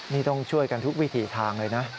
นี่ต้องช่วยกันทุกวิถีทางเลยนะ